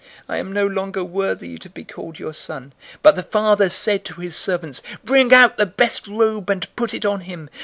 I am no longer worthy to be called your son.' 015:022 "But the father said to his servants, 'Bring out the best robe, and put it on him.